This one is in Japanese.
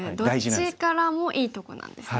どっちからもいいとこなんですね。